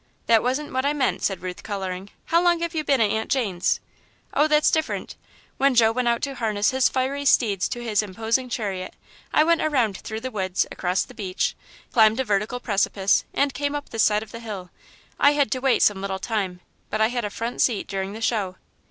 "That wasn't what I meant," said Ruth, colouring. "How long have you been at Aunt Jane's?" "Oh, that's different. When Joe went out to harness his fiery steeds to his imposing chariot, I went around through the woods, across the beach, climbed a vertical precipice, and came up this side of the hill. I had to wait some little time, but I had a front seat during the show."